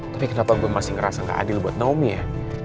tapi kenapa gue masih ngerasa gak adil buat naomi ya